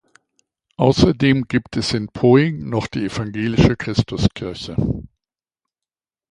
Außerdem gibt es in Poing noch die evangelische Christuskirche.